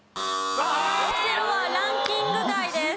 オセロはランキング外です。